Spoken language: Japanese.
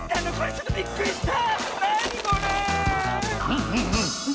ちょっとびっくりした！